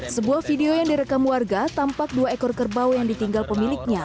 sebuah video yang direkam warga tampak dua ekor kerbau yang ditinggal pemiliknya